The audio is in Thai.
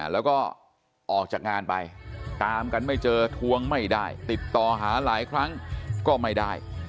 แล้วก็ออกจากงานไปตามกันไม่เจอทวงไม่ได้ติดต่อหาหลายครั้งก็ไม่ได้